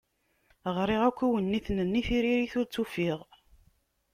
Ɣriɣ akk iwenniten-nni, tiririt ur tt-ufiɣ.